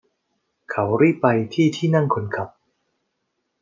เขารีบไปที่ที่นั่งคนขับ